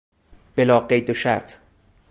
بلاقید وشرط